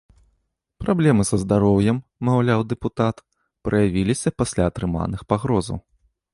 Праблемы са здароўем, маўляў дэпутат, праявіліся пасля атрыманых пагрозаў.